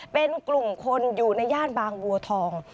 เป็นกลุ่มคนอยู่ในย่านบางบัวทอง